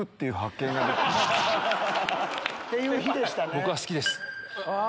僕は好きです。